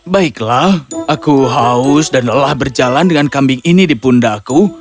baiklah aku haus dan lelah berjalan dengan kambing ini di pundakku